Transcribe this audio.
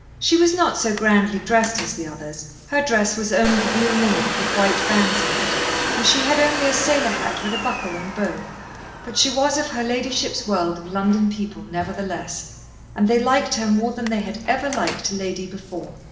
She was not so grandly dressed as the others, her dress was only blue linen with white bands on it, and she had only a sailor hat with a buckle and bow, but she was of her ladyship's world of London people, nevertheless, and they liked her more than they had ever liked a lady before.